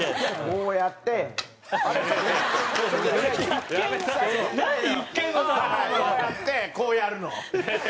こうやってこうやるの。